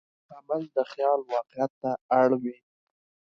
عمل د خیال واقعیت ته اړوي.